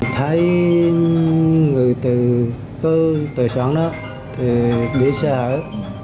thấy người từ cơ tài sản đó thì đi xa ấy